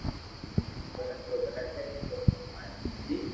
غلط تو غلط ھي سھي ھي ماري مرزي